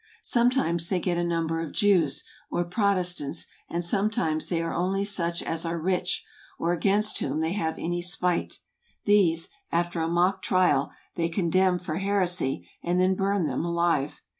Sometimes they get a number of Jews, or Protestants; and sometimes they are only such as are rich, or against whom they have any spite. These, after a mock trial, they condemn for heresy; and then burn them alive.